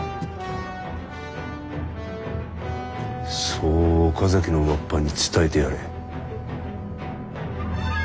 そう岡崎のわっぱに伝えてやれ。